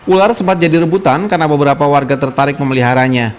ular sempat jadi rebutan karena beberapa warga tertarik memeliharanya